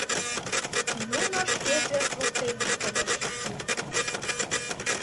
Нуно шке пӧрт воктенышт ыльыч.